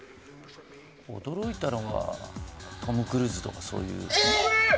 驚いたのはトム・クルーズとかそういう。